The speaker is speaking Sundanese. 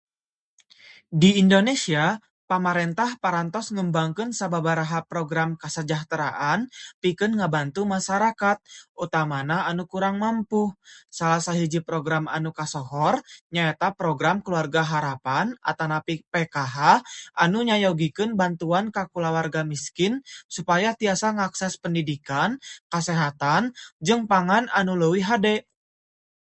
Di Indonesia, pamarentah parantos ngembangkeun sababaraha program kasejahteraan, pikeun ngabantu masarakat, utamana anu kurang mampu. Salah sahiji program anu kasohor nyaeta Program Keluarga Harapan (PKH) anu nyayogikeun bantuan ka kulawarga miskin supaya tiasa ngakses pendidikan, kasehatan, jeung pangan anu leuwih hade.